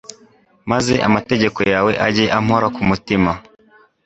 maze amategeko yawe ajye ampora ku mutima